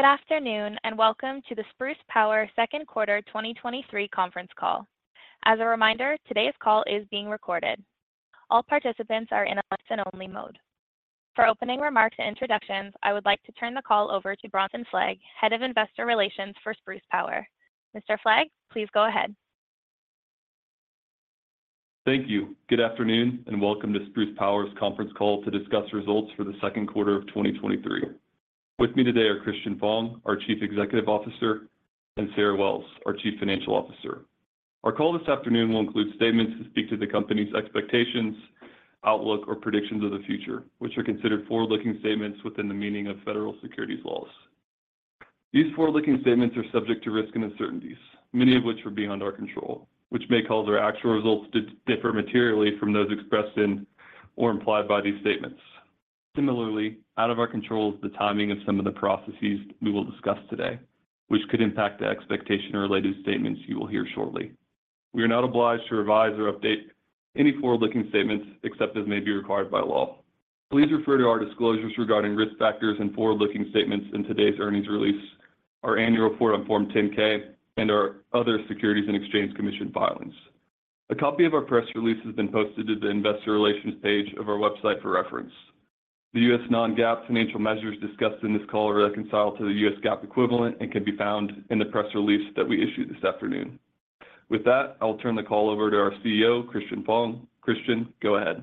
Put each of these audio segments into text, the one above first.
Good afternoon, and welcome to the Spruce Power Second Quarter 2023 Conference Call. As a reminder, today's call is being recorded. All participants are in a listen-only mode. For opening remarks and introductions, I would like to turn the call over to Bronson Fleig, Head of Investor Relations for Spruce Power. Mr. Fleig, please go ahead. Thank you. Good afternoon, and welcome to Spruce Power's conference call to discuss results for the second quarter of 2023. With me today are Christian Fong, our Chief Executive Officer, and Sarah Wells, our Chief Financial Officer. Our call this afternoon will include statements that speak to the company's expectations, outlook, or predictions of the future, which are considered forward-looking statements within the meaning of federal securities laws. These forward-looking statements are subject to risks and uncertainties, many of which are beyond our control, which may cause our actual results to differ materially from those expressed in or implied by these statements. Similarly, out of our control is the timing of some of the processes we will discuss today, which could impact the expectation or related statements you will hear shortly. We are not obliged to revise or update any forward-looking statements, except as may be required by law. Please refer to our disclosures regarding risk factors and forward-looking statements in today's earnings release, our annual report on Form 10-K, and our other Securities and Exchange Commission filings. A copy of our press release has been posted to the Investor Relations page of our website for reference. The U.S. non-GAAP financial measures discussed in this call are reconciled to the U.S. GAAP equivalent and can be found in the press release that we issued this afternoon. With that, I'll turn the call over to our CEO, Christian Fong. Christian, go ahead.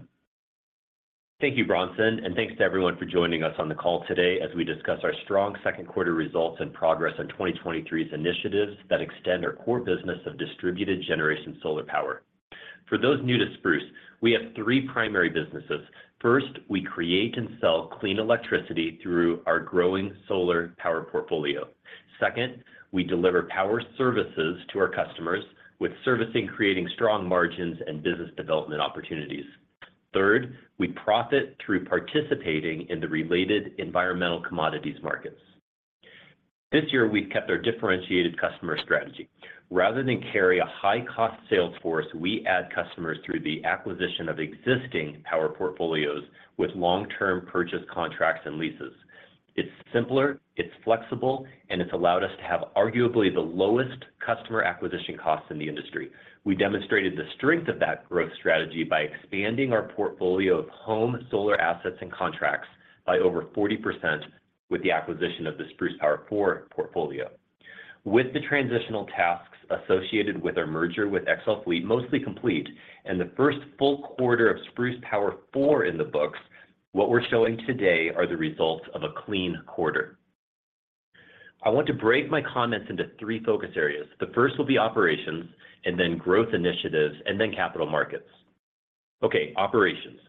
Thank you, Bronson, and thanks to everyone for joining us on the call today as we discuss our strong second quarter results and progress on 2023's initiatives that extend our core business of distributed generation solar power. For those new to Spruce, we have three primary businesses. First, we create and sell clean electricity through our growing solar power portfolio. Second, we deliver power services to our customers, with servicing, creating strong margins and business development opportunities. Third, we profit through participating in the related Environmental Commodities Markets. This year, we've kept our differentiated customer strategy. Rather than carry a high-cost sales force, we add customers through the acquisition of existing power portfolios with long-term purchase contracts and leases. It's simpler, it's flexible, and it's allowed us to have arguably the lowest customer acquisition costs in the industry. We demonstrated the strength of that growth strategy by expanding our portfolio of home solar assets and contracts by over 40% with the acquisition of the Spruce Power 4 Portfolio. With the transitional tasks associated with our merger with XL Fleet mostly complete and the first full quarter of Spruce Power 4 in the books, what we're showing today are the results of a clean quarter. I want to break my comments into three focus areas. The first will be operations, and then growth initiatives, and then capital markets. Okay, operations.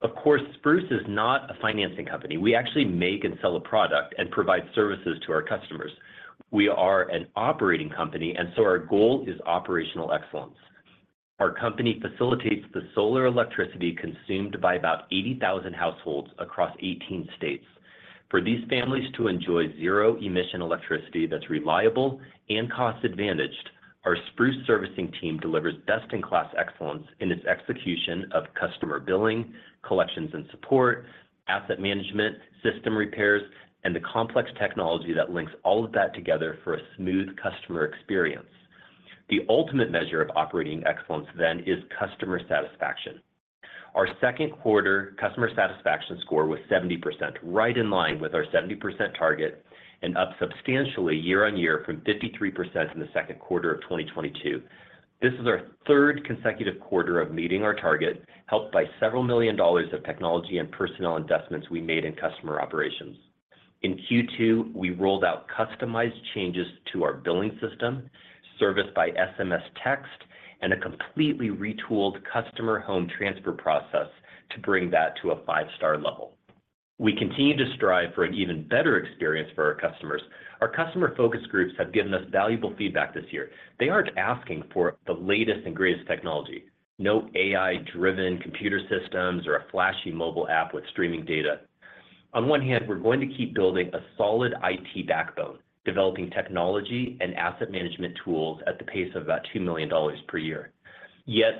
Of course, Spruce is not a financing company. We actually make and sell a product and provide services to our customers. We are an operating company, and so our goal is operational excellence. Our company facilitates the solar electricity consumed by about 80,000 households across 18 states. For these families to enjoy zero-emission electricity that's reliable and cost-advantaged, our Spruce servicing team delivers best-in-class excellence in its execution of customer billing, collections and support, asset management, system repairs, and the complex technology that links all of that together for a smooth customer experience. The ultimate measure of operating excellence then, is customer satisfaction. Our second quarter customer satisfaction score was 70%, right in line with our 70% target and up substantially year-over-year from 53% in the second quarter of 2022. This is our third consecutive quarter of meeting our target, helped by several million dollars of technology and personnel investments we made in customer operations. In Q2, we rolled out customized changes to our billing system, serviced by SMS text, and a completely retooled customer home transfer process to bring that to a five-star level. We continue to strive for an even better experience for our customers. Our customer focus groups have given us valuable feedback this year. They aren't asking for the latest and greatest technology, no AI-driven computer systems or a flashy mobile app with streaming data. On one hand, we're going to keep building a solid IT backbone, developing technology and asset management tools at the pace of about $2 million per year.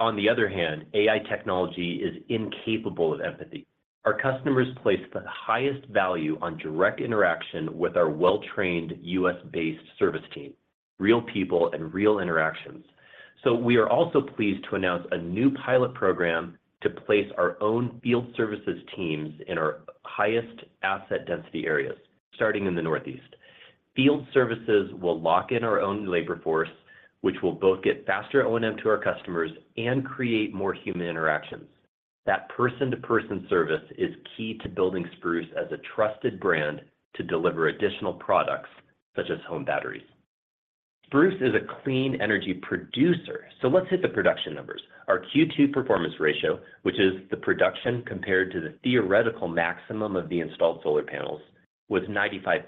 On the other hand, AI technology is incapable of empathy. Our customers place the highest value on direct interaction with our well-trained U.S.-based service team, real people and real interactions. We are also pleased to announce a new pilot program to place our own field services teams in our highest asset density areas, starting in the Northeast. Field services will lock in our own labor force, which will both get faster O&M to our customers and create more human interactions. That person-to-person service is key to building Spruce as a trusted brand to deliver additional products, such as home batteries. Spruce is a clean energy producer. Let's hit the production numbers. Our Q2 performance ratio, which is the production compared to the theoretical maximum of the installed solar panels, was 95%.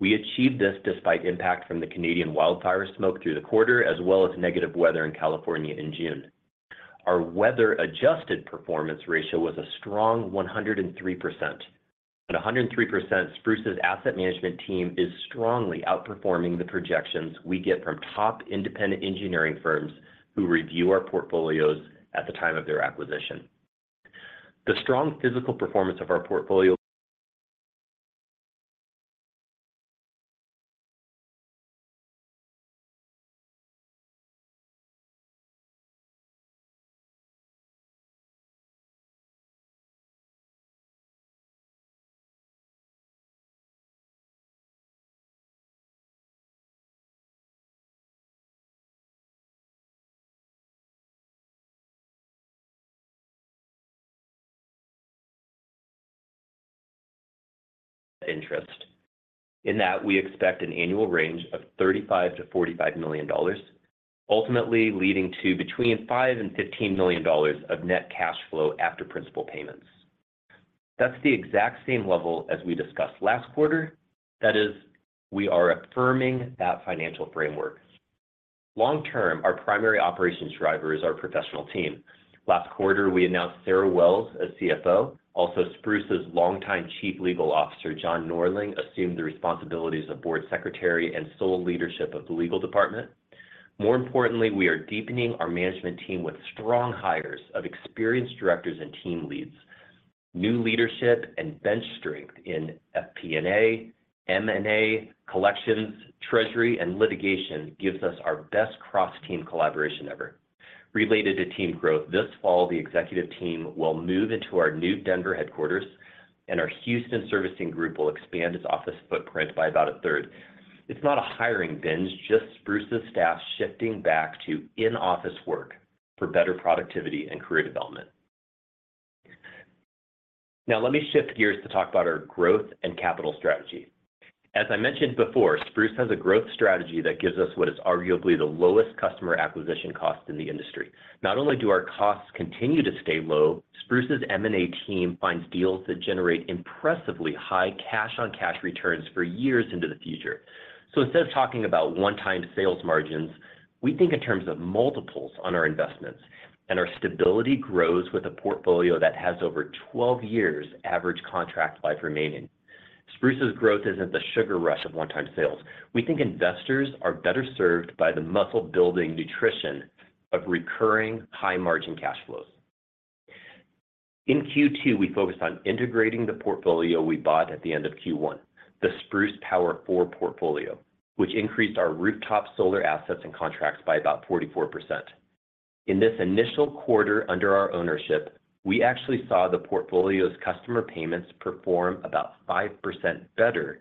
We achieved this despite impact from the Canadian wildfire smoke through the quarter, as well as negative weather in California in June. Our weather-adjusted performance ratio was a strong 103%. At 103%, Spruce's asset management team is strongly outperforming the projections we get from top independent engineering firms who review our portfolios at the time of their acquisition. The strong physical performance of our portfolio. Interest. In that, we expect an annual range of $35 million-$45 million, ultimately leading to between $5 million and $15 million of net cash flow after principal payments. That's the exact same level as we discussed last quarter. That is, we are affirming that financial framework. Long term, our primary operations driver is our professional team. Last quarter, we announced Sarah Wells as CFO. Also, Spruce's longtime Chief Legal Officer, Jon Norling, assumed the responsibilities of Board Secretary and sole leadership of the legal department. More importantly, we are deepening our management team with strong hires of experienced directors and team leads. New leadership and bench strength in FP&A, M&A, collections, treasury, and litigation gives us our best cross-team collaboration ever. Related to team growth, this fall, the executive team will move into our new Denver headquarters, and our Houston servicing group will expand its office footprint by about a third. It's not a hiring binge, just Spruce's staff shifting back to in-office work for better productivity and career development. Let me shift gears to talk about our growth and capital strategy. As I mentioned before, Spruce has a growth strategy that gives us what is arguably the lowest customer acquisition cost in the industry. Not only do our costs continue to stay low, Spruce's M&A team finds deals that generate impressively high cash-on-cash returns for years into the future. Instead of talking about one-time sales margins, we think in terms of multiples on our investments, and our stability grows with a portfolio that has over 12 years average contract life remaining. Spruce's growth isn't the sugar rush of one-time sales. We think investors are better served by the muscle-building nutrition of recurring high-margin cash flows. In Q2, we focused on integrating the portfolio we bought at the end of Q1, the Spruce Power 4 Portfolio, which increased our rooftop solar assets and contracts by about 44%. In this initial quarter under our ownership, we actually saw the portfolio's customer payments perform about 5% better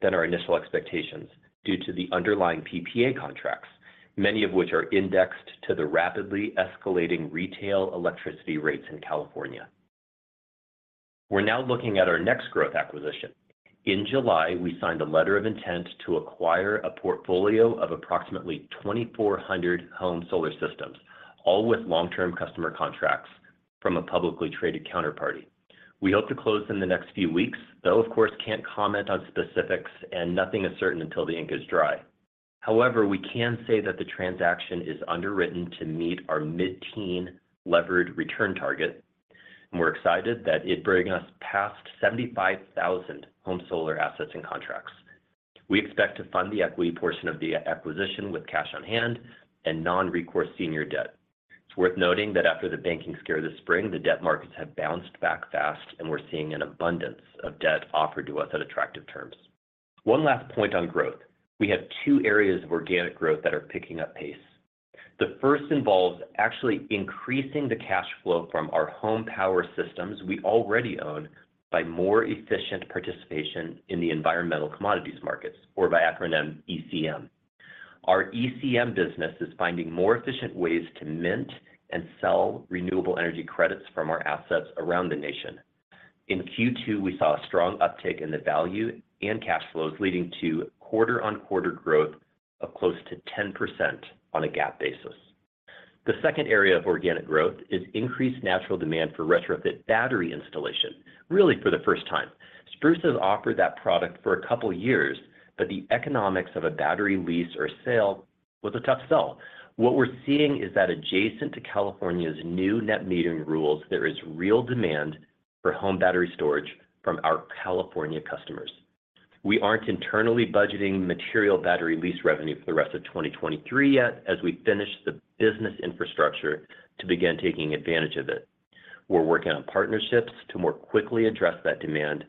than our initial expectations due to the underlying PPA contracts, many of which are indexed to the rapidly escalating retail electricity rates in California. We're now looking at our next growth acquisition. In July, we signed a letter of intent to acquire a portfolio of approximately 2,400 home solar systems, all with long-term customer contracts from a publicly traded counterparty. We hope to close in the next few weeks, though, of course, can't comment on specifics, and nothing is certain until the ink is dry. However, we can say that the transaction is underwritten to meet our mid-teen levered return target, and we're excited that it bring us past 75,000 home solar assets and contracts. We expect to fund the equity portion of the acquisition with cash on hand and non-recourse senior debt. It's worth noting that after the banking scare this spring, the debt markets have bounced back fast, and we're seeing an abundance of debt offered to us at attractive terms. One last point on growth: We have two areas of organic growth that are picking up pace. The first involves actually increasing the cash flow from our home power systems we already own by more efficient participation in the Environmental Commodities Markets, or by acronym, ECM. Our ECM business is finding more efficient ways to mint and sell renewable energy credits from our assets around the nation. In Q2, we saw a strong uptick in the value and cash flows, leading to quarter-on-quarter growth of close to 10% on a GAAP basis. The second area of organic growth is increased natural demand for retrofit battery installation. Really, for the first time, Spruce has offered that product for a couple of years, but the economics of a battery lease or sale was a tough sell. What we're seeing is that adjacent to California's new net metering rules, there is real demand for home battery storage from our California customers. We aren't internally budgeting material battery lease revenue for the rest of 2023 yet as we finish the business infrastructure to begin taking advantage of it. We're working on partnerships to more quickly address that demand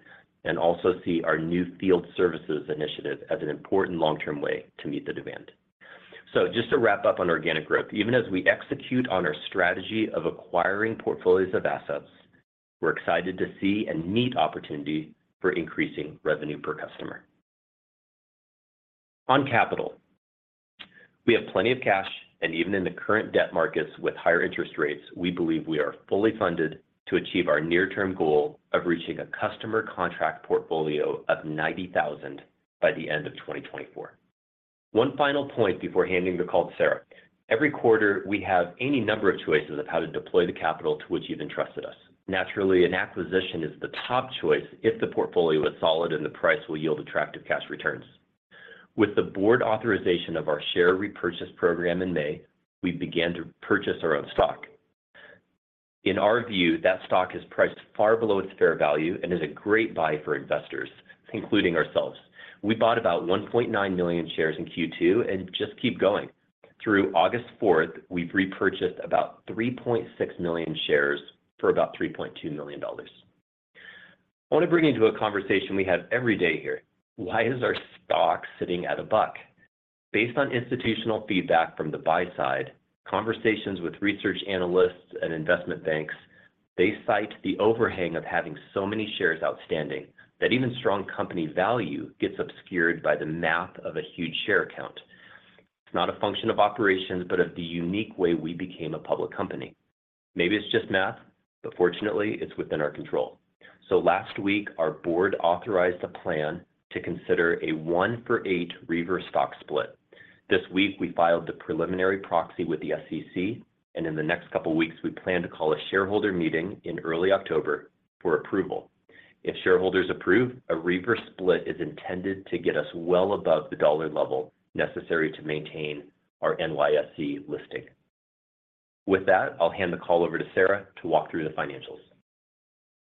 and also see our new field services initiative as an important long-term way to meet the demand. Just to wrap up on organic growth, even as we execute on our strategy of acquiring portfolios of assets, we're excited to see and meet opportunity for increasing revenue per customer. On capital, we have plenty of cash, and even in the current debt markets with higher interest rates, we believe we are fully funded to achieve our near-term goal of reaching a customer contract portfolio of 90,000 by the end of 2024. One final point before handing the call to Sarah. Every quarter, we have any number of choices of how to deploy the capital to which you've entrusted us. Naturally, an acquisition is the top choice if the portfolio is solid and the price will yield attractive cash returns. With the board authorization of our share repurchase program in May, we began to purchase our own stock. In our view, that stock is priced far below its fair value and is a great buy for investors, including ourselves. We bought about 1.9 million shares in Q2 and just keep going. Through August 4th, we've repurchased about 3.6 million shares for about $3.2 million. I want to bring you into a conversation we have every day here: Why is our stock sitting at $1? Based on institutional feedback from the buy side, conversations with research analysts and investment banks, they cite the overhang of having so many shares outstanding, that even strong company value gets obscured by the math of a huge share count. It's not a function of operations, but of the unique way we became a public company. Maybe it's just math, but fortunately, it's within our control. Last week, our board authorized a plan to consider a one for eight reverse stock split. This week, we filed the preliminary proxy with the SEC, and in the next couple of weeks, we plan to call a shareholder meeting in early October for approval. If shareholders approve, a reverse split is intended to get us well above the dollar level necessary to maintain our NYSE listing. With that, I'll hand the call over to Sarah to walk through the financials.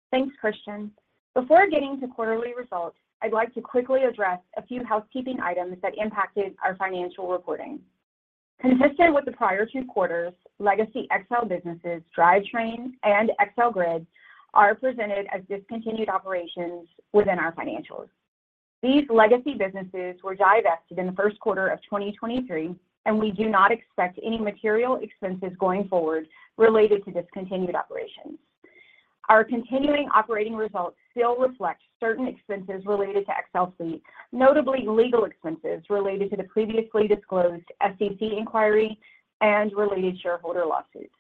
Thanks, Christian. Before getting to quarterly results, I'd like to quickly address a few housekeeping items that impacted our financial reporting. Consistent with the prior two quarters, legacy XL businesses, Drivetrain and XL Grid, are presented as discontinued operations within our financials. These legacy businesses were divested in the 1st quarter of 2023, and we do not expect any material expenses going forward related to discontinued operations. Our continuing operating results still reflect certain expenses related to XL Fleet, notably legal expenses related to the previously disclosed SEC inquiry and related shareholder lawsuits.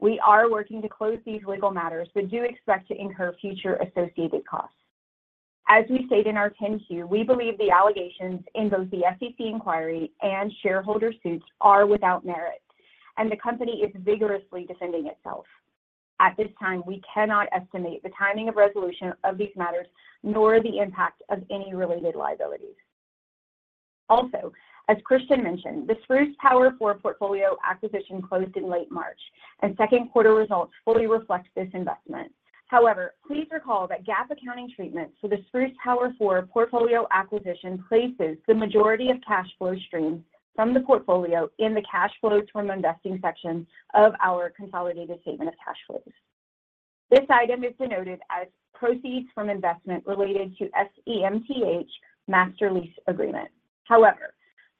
We are working to close these legal matters, but do expect to incur future associated costs. As we stated in our Form 10-Q, we believe the allegations in both the SEC inquiry and shareholder suits are without merit, and the company is vigorously defending itself. At this time, we cannot estimate the timing of resolution of these matters, nor the impact of any related liabilities. As Christian mentioned, the Spruce Power 4 Portfolio acquisition closed in late March, and second quarter results fully reflect this investment. Please recall that GAAP accounting treatment for the Spruce Power 4 Portfolio acquisition places the majority of cash flow streams from the portfolio in the cash flows from investing section of our consolidated statement of cash flows. This item is denoted as proceeds from investment related to SEMTH Master Lease Agreement.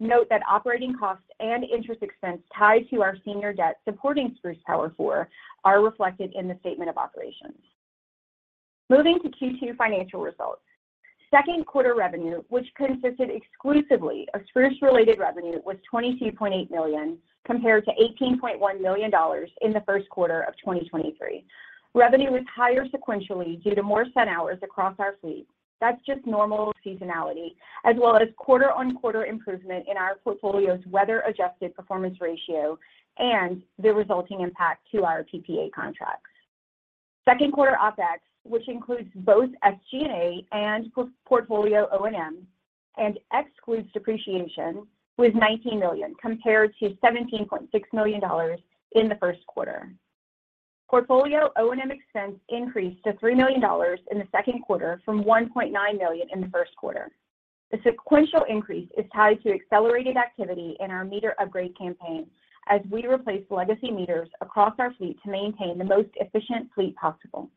Note that operating costs and interest expense tied to our senior debt supporting Spruce Power 4 are reflected in the statement of operations. Moving to Q2 financial results. Second quarter revenue, which consisted exclusively of Spruce-related revenue, was $22.8 million, compared to $18.1 million in the first quarter of 2023. Revenue was higher sequentially due to more sun hours across our fleet. That's just normal seasonality, as well as quarter-on-quarter improvement in our portfolio's weather-adjusted performance ratio and the resulting impact to our PPA contracts. Second quarter OpEx, which includes both SG&A and portfolio O&M, and excludes depreciation, was $19 million, compared to $17.6 million in the first quarter. Portfolio O&M expense increased to $3 million in the second quarter from $1.9 million in the first quarter. The sequential increase is tied to accelerated activity in our meter upgrade campaign as we replace legacy meters across our fleet to maintain the most efficient fleet possible.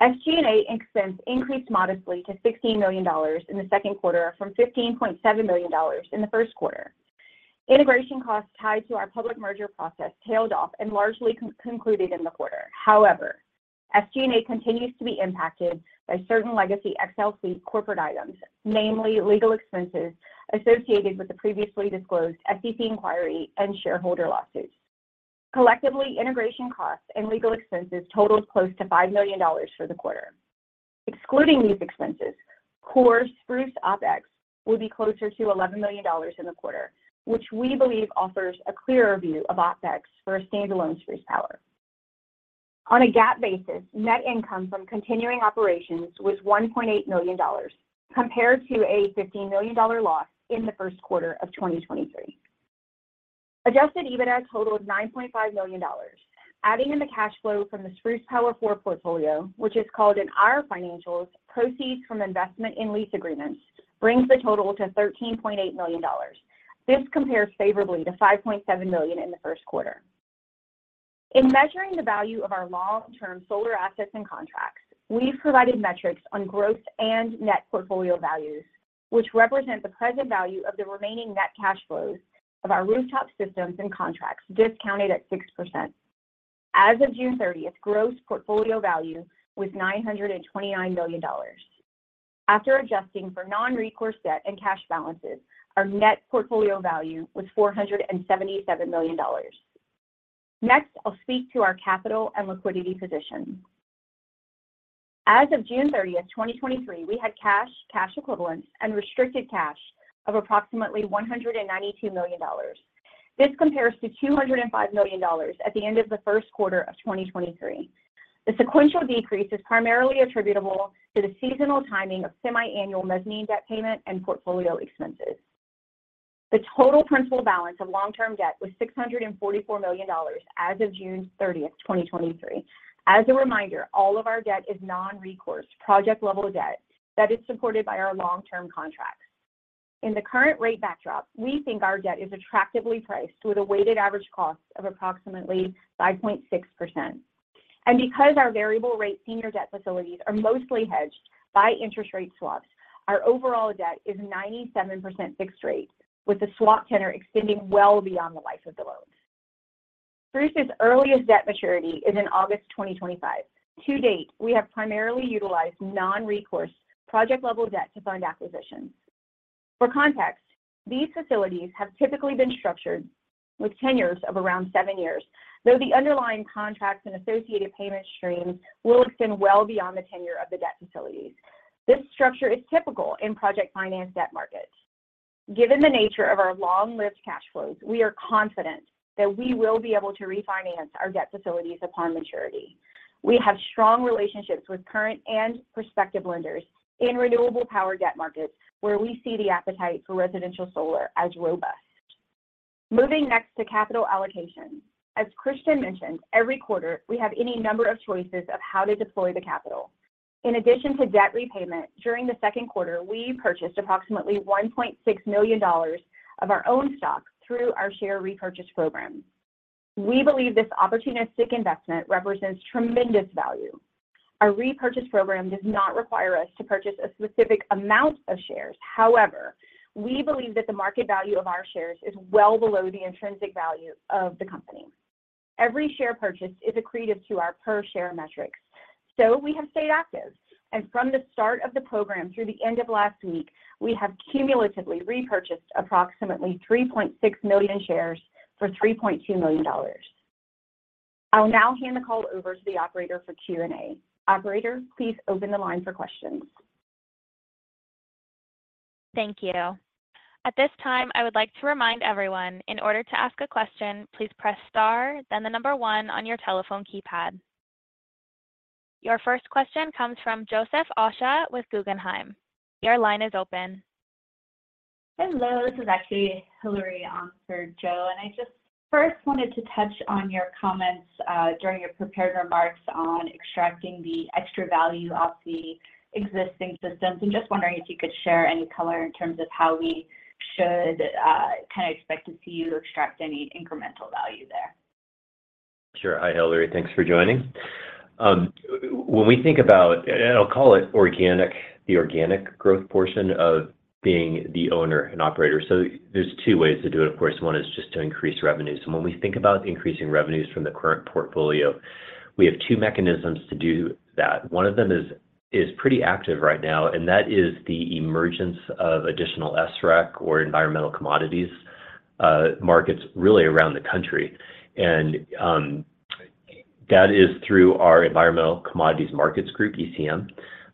SG&A expense increased modestly to $16 million in the second quarter from $15.7 million in the first quarter. Integration costs tied to our public merger process tailed off and largely concluded in the quarter. SG&A continues to be impacted by certain legacy XL Fleet corporate items, namely legal expenses associated with the previously disclosed SEC inquiry and shareholder lawsuits. Collectively, integration costs and legal expenses totaled close to $5 million for the quarter. Excluding these expenses, core Spruce OpEx will be closer to $11 million in the quarter, which we believe offers a clearer view of OpEx for a standalone Spruce Power. On a GAAP basis, net income from continuing operations was $1.8 million, compared to a $15 million loss in the first quarter of 2023. Adjusted EBITDA totaled $9.5 million, adding in the cash flow from the Spruce Power 4 portfolio, which is called in our financials, proceeds from investment in lease agreements, brings the total to $13.8 million. This compares favorably to $5.7 million in the first quarter. In measuring the value of our long-term solar assets and contracts, we've provided metrics on growth and net portfolio values, which represent the present value of the remaining net cash flows of our rooftop systems and contracts, discounted at 6%. As of June thirtieth, gross portfolio value was $929 million. After adjusting for non-recourse debt and cash balances, our net portfolio value was $477 million. Next, I'll speak to our capital and liquidity position. As of June 30th, 2023, we had cash, cash equivalents, and restricted cash of approximately $192 million. This compares to $205 million at the end of the first quarter of 2023. The sequential decrease is primarily attributable to the seasonal timing of semi-annual mezzanine debt payment and portfolio expenses. The total principal balance of long-term debt was $644 million as of June 30th, 2023. As a reminder, all of our debt is non-recourse, project-level debt that is supported by our long-term contracts. In the current rate backdrop, we think our debt is attractively priced with a weighted average cost of approximately 5.6%. Because our variable rate senior debt facilities are mostly hedged by interest rate swaps, our overall debt is 97% fixed rate, with the swap tenor extending well beyond the life of the loan. Spruce's earliest debt maturity is in August 2025. To date, we have primarily utilized non-recourse project-level debt to fund acquisitions. For context, these facilities have typically been structured with tenures of around seven years, though the underlying contracts and associated payment streams will extend well beyond the tenure of the debt facilities. This structure is typical in project finance debt markets. Given the nature of our long-lived cash flows, we are confident that we will be able to refinance our debt facilities upon maturity. We have strong relationships with current and prospective lenders in renewable power debt markets, where we see the appetite for residential solar as robust. Moving next to capital allocation. As Christian mentioned, every quarter we have any number of choices of how to deploy the capital. In addition to debt repayment, during the second quarter, we purchased approximately $1.6 million of our own stock through our share repurchase program. We believe this opportunistic investment represents tremendous value. Our repurchase program does not require us to purchase a specific amount of shares. However, we believe that the market value of our shares is well below the intrinsic value of the company. Every share purchased is accretive to our per share metrics, so we have stayed active. From the start of the program through the end of last week, we have cumulatively repurchased approximately 3.6 million shares for $3.2 million. I'll now hand the call over to the operator for Q&A. Operator, please open the line for questions. Thank you. At this time, I would like to remind everyone, in order to ask a question, please press star, then the number 1 on your telephone keypad. Your first question comes from Joseph Osha with Guggenheim. Your line is open. Hello, this is actually Hillary on for Joe, and I just first wanted to touch on your comments, during your prepared remarks on extracting the extra value off the existing systems, and just wondering if you could share any color in terms of how we should, kind of expect to see you extract any incremental value there? Sure. Hi, Hillary. Thanks for joining. When we think about... I'll call it organic, the organic growth portion of being the owner and operator. There's two ways to do it. Of course, one is just to increase revenues. When we think about increasing revenues from the current portfolio, we have two mechanisms to do that. One of them is, is pretty active right now, and that is the emergence of additional SREC or Environmental Commodities Markets, really around the country. That is through our Environmental Commodities Markets group, ECM.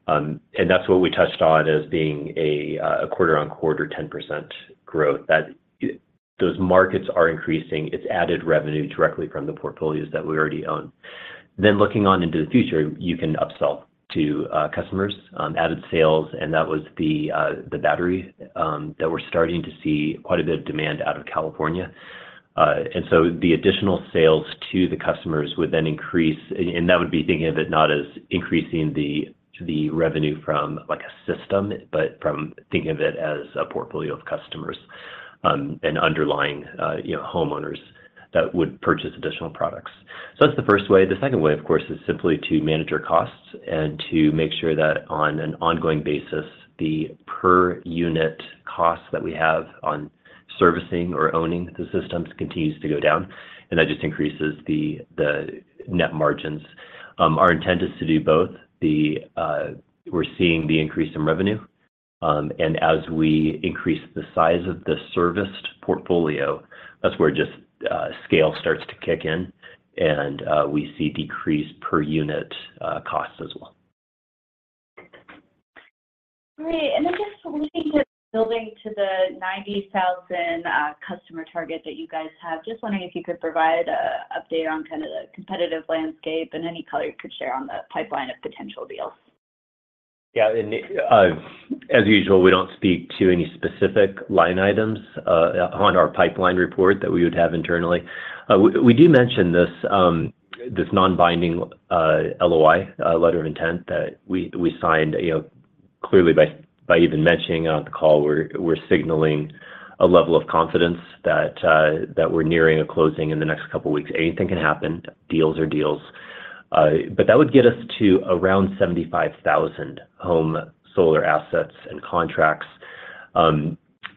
That's what we touched on as being a, a quarter-on-quarter, 10% growth. Those markets are increasing. It's added revenue directly from the portfolios that we already own. Looking on into the future, you can upsell to customers, added sales, and that was the battery that we're starting to see quite a bit of demand out of California. The additional sales to the customers would then increase, and that would be thinking of it not as increasing the revenue from, like, a system, but from thinking of it as a portfolio of customers, and underlying homeowners that would purchase additional products. So that's the first way. The second way, of course, is simply to manage our costs and to make sure that on an ongoing basis, the per unit cost that we have on servicing or owning the systems continues to go down, and that just increases the net margins. Our intent is to do both. The, we're seeing the increase in revenue, and as we increase the size of the serviced portfolio, that's where just, scale starts to kick in, and, we see decreased per unit, costs as well. Great. Then just looking at building to the 90,000 customer target that you guys have, just wondering if you could provide an update on kind of the competitive landscape and any color you could share on the pipeline of potential deals. Yeah, as usual, we don't speak to any specific line items on our pipeline report that we would have internally. We do mention this non-binding LOI, letter of intent that we signed. You know, clearly by even mentioning it on the call, we're signaling a level of confidence that we're nearing a closing in the next couple of weeks. Anything can happen. Deals are deals. That would get us to around 75,000 home solar assets and contracts.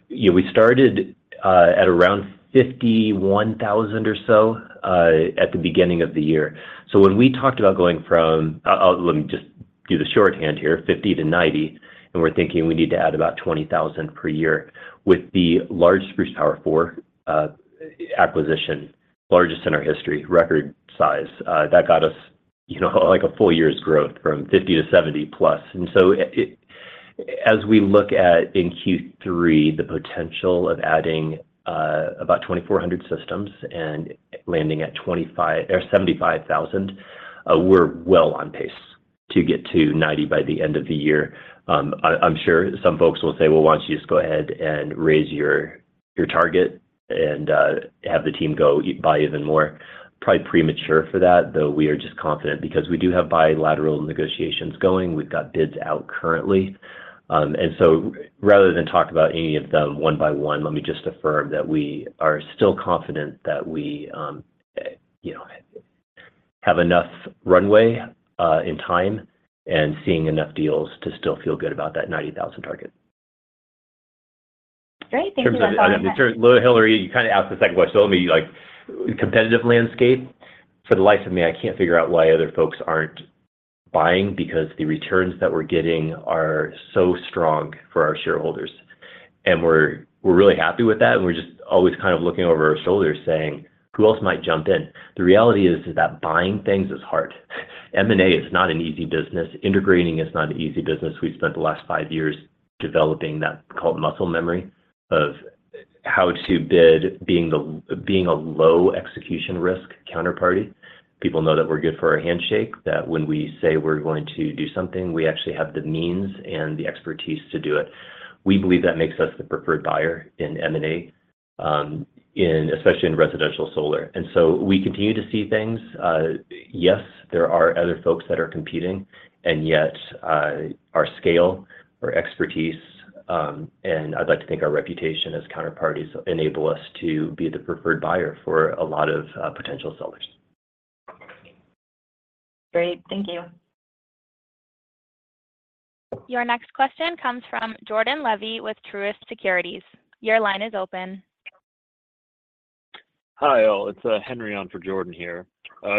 Yeah, we started at around 51,000 or so at the beginning of the year. When we talked about going from, let me just do the shorthand here, 50 to 90, and we're thinking we need to add about 20,000 per year. With the large Spruce Power 4 acquisition, largest in our history, record size, that got us, you know, like a full year's growth from 50 to 70+. It, as we look at in Q3, the potential of adding 2,400 systems and landing at 25 or 75,000, we're well on pace to get to 90 by the end of the year. I, I'm sure some folks will say, "Well, why don't you just go ahead and raise your, your target and have the team go buy even more. Probably premature for that, though we are just confident because we do have bilateral negotiations going. We've got bids out currently. Rather than talk about any of them one by one, let me just affirm that we are still confident that we, you know, have enough runway in time and seeing enough deals to still feel good about that 90,000 target. Great, thank you so much. In terms of Hillary, you kind of asked the second question, let me competitive landscape. For the life of me, I can't figure out why other folks aren't buying, because the returns that we're getting are so strong for our shareholders. We're really happy with that, and we're just always kind of looking over our shoulders saying, "Who else might jump in?" The reality is that buying things is hard. M&A is not an easy business. Integrating is not an easy business. We've spent the last five years developing that, called muscle memory of how to bid, being a low execution risk counterparty. People know that we're good for our handshake, that when we say we're going to do something, we actually have the means and the expertise to do it. We believe that makes us the preferred buyer in M&A, in, especially in residential solar. So we continue to see things. Yes, there are other folks that are competing, and yet, our scale, our expertise, and I'd like to think our reputation as counterparties enable us to be the preferred buyer for a lot of potential sellers. Great. Thank you. Your next question comes from Jordan Levy with Truist Securities. Your line is open. Hi, all. It's Henry on for Jordan here.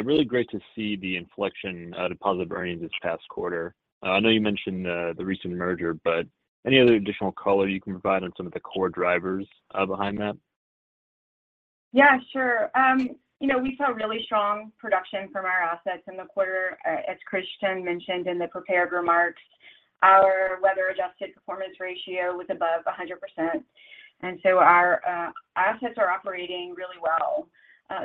Really great to see the inflection to positive earnings this past quarter. I know you mentioned the recent merger, but any other additional color you can provide on some of the core drivers behind that? Yeah, sure. you know, we saw really strong production from our assets in the quarter. as Christian mentioned in the prepared remarks, our weather-adjusted performance ratio was above 100%, and so our assets are operating really well.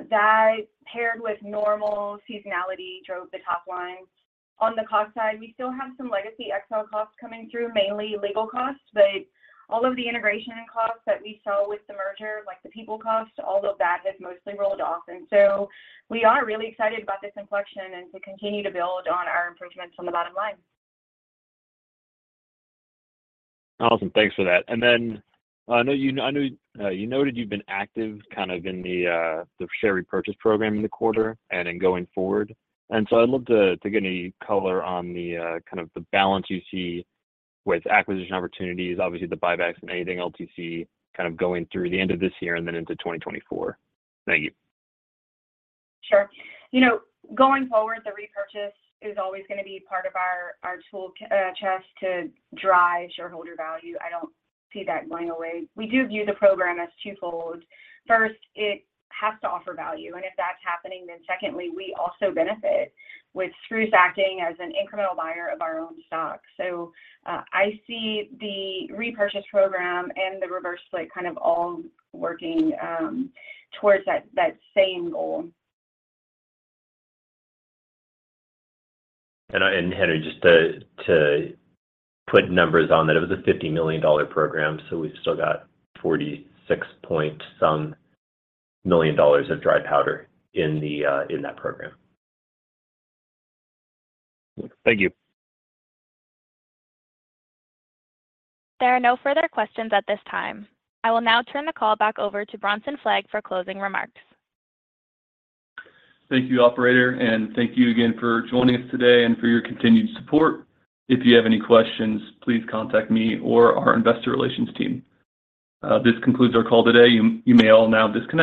That, paired with normal seasonality, drove the top line. On the cost side, we still have some legacy XL costs coming through, mainly legal costs, but all of the integration and costs that we saw with the merger, like the people costs, all of that has mostly rolled off. So we are really excited about this inflection and to continue to build on our improvements on the bottom line. Awesome, thanks for that. I know you, I know, you noted you've been active kind of in the, the share repurchase program in the quarter and in going forward. I'd love to, to get any color on the, kind of the balance you see with acquisition opportunities, obviously, the buybacks and anything else you see kind of going through the end of this year and then into 2024. Thank you. Sure. You know, going forward, the repurchase is always gonna be part of our, our tool, chest to drive shareholder value. I don't see that going away. We do view the program as twofold. First, it has to offer value, and if that's happening, then secondly, we also benefit with Truist acting as an incremental buyer of our own stock. I see the repurchase program and the reverse split kind of all working towards that, that same goal. Henry, just to, to put numbers on that, it was a $50 million program, so we've still got $46 point some million of dry powder in the, in that program. Thank you. There are no further questions at this time. I will now turn the call back over to Bronson Fleig for closing remarks. Thank you, operator, and thank you again for joining us today and for your continued support. If you have any questions, please contact me or our investor relations team. This concludes our call today. You may all now disconnect.